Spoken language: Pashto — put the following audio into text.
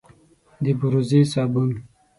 د بوروزې صابون،